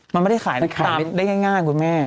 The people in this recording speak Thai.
มันไม่ได้ขายได้ง่ายคุณแม่